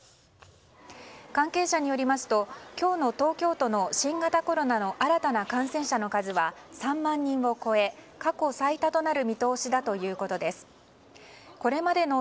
関係者によりますと今日の東京都の新型コロナの新たな感染者の数は３万人を超え過去最多となる見通しだということです。